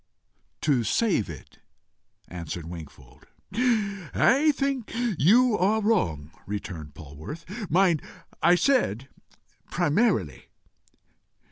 "To save it," answered Wingfold. "I think you are wrong," returned Polwarth. "Mind I said PRIMARILY.